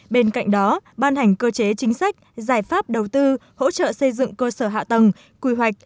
bên cạnh đó ban hành cơ chế chính sách giải pháp đầu tư hỗ trợ xây dựng cơ sở hạ tầng quy hoạch